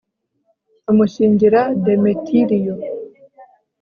amushyingira demetiriyo